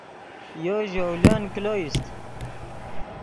یو ژولن کلو ایست